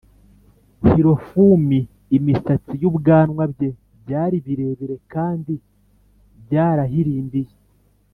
Hirofumi Imisatsi n ‘ubwanwa bye byari birebire kandi byarahirimbiye